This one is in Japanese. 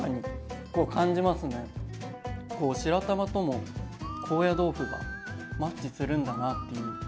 白玉とも高野豆腐がマッチするんだなっていう。